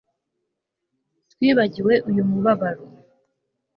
twibagiwe uyu mubabaro